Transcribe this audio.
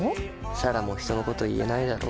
彩良も人のこと言えないだろ。